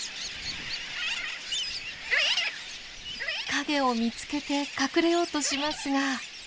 陰を見つけて隠れようとしますが。